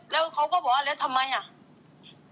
แล้วเขาก็บอกว่าทำไม